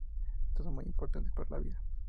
Estos son muy importantes para la vida.